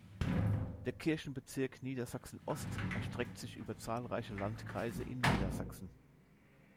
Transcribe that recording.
Der Kirchenbezirk Niedersachsen Ost erstreckt sich über zahlreiche Landkreise in Niedersachsen.